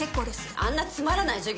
「あんなつまらない授業